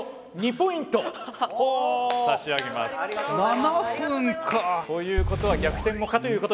７分か。ということは逆転も可ということです！